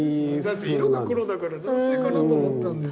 だって色が黒だから男性かなと思ったんです。